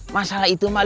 masalah itu malah